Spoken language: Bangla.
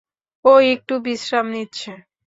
ও একটু বিশ্রাম নিচ্ছে।